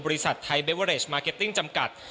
บริษัทไทยเบเวอเรสมาร์เก็ตติ้งจำกัด